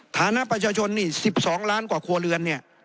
ฐานะประชาชนนี่๑๒ล้านกว่าครัวเรือนเนี่ย